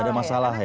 ada masalah ya